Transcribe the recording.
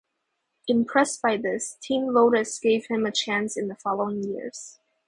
Impressed by this, Team Lotus gave him a chance in the following years.